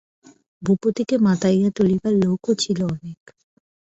ভূপতিকে মাতাইয়া তুলিবার লোকও ছিল অনেক।